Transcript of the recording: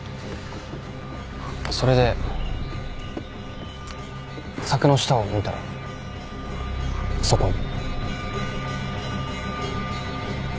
それで柵の下を見たらそこに。